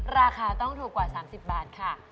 ราคาต้องถูกกว่า๓๐บาทค่ะ